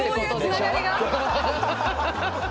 そういうつながりが。